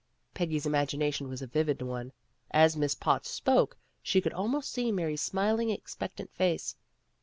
Peggy's imagination was a vivid one. As Miss Potts spoke, she could almost see Mary's smiling, expectant face.